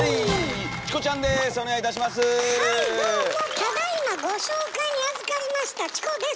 ただいまご紹介にあずかりましたチコです！